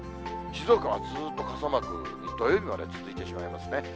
静岡はずっと傘マーク、土曜日まで続いてしまいますね。